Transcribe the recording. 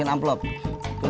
jangan buat kayak tuh